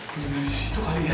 bisa disitu kali ya